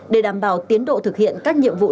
để đảm bảo tiến độ thực hiện các nhiệm vụ